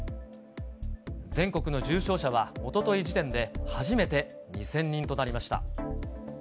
全国の重症者はおととい時点で初めて２０００人となりました。